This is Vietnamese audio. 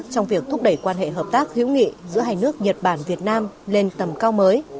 trong việc thúc đẩy quan hệ hợp tác hữu nghị giữa hai nước nhật bản việt nam lên tầm cao mới